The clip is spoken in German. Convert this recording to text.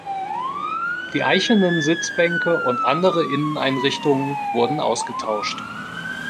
Die eichenen Sitzbänke und andere Inneneinrichtungen wurden ausgetauscht.